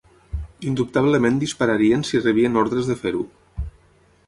Indubtablement dispararien si rebien ordres de fer-ho